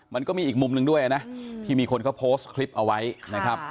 มันก็มีอีกมุมหนึ่งด้วยนะที่มีคนเขาโพสต์คลิปเอาไว้นะครับ